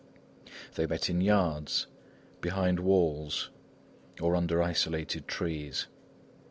They met in yards, behind walls or under isolated trees.